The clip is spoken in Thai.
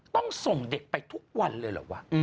ต้องส่งเด็กไปทุกวันเลยเหรอวะ